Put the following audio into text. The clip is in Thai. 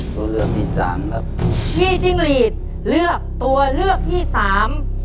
ตัวเลือกที่สามครับพี่จิ้งหลีดเลือกตัวเลือกที่สาม